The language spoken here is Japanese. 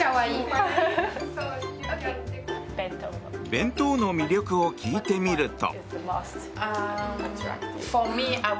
弁当の魅力を聞いてみると。